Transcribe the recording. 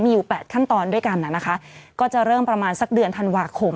มีอยู่๘ขั้นตอนด้วยกันนะคะก็จะเริ่มประมาณสักเดือนธันวาคม